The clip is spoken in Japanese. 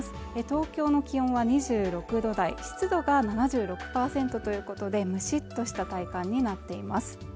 東京の気温は２６度台湿度が７６％ということでむしっとした体感になっています